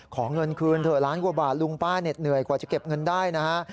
ขอเงินคืนเถอะล้านกว่าบาทลุงป้าเหน็ดเหนื่อยกว่าจะเก็บเงินได้นะฮะ